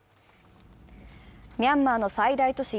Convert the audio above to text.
ミャンマーの最大都市